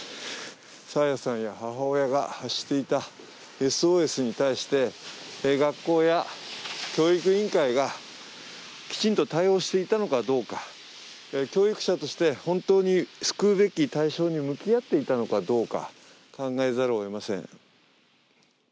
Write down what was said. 爽彩さんや母親が発していたＳＯＳに対して、学校や教育委員会がきちんと対応していたのかどうか、教育者として本当に救うべき対象に向き合っていたのかどうか考えざるをえません。